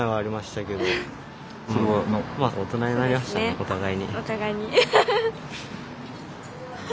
お互いに。